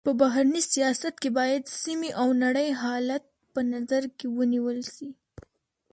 په بهرني سیاست کي باید سيمي او نړۍ حالت په نظر کي ونیول سي.